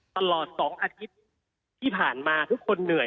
ตลอด๒อาทิตย์ที่ผ่านมาทุกคนเหนื่อย